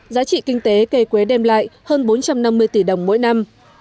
giá trị kinh tế cây quế đem lại hơn bốn trăm năm mươi tỷ đồng mỗi năm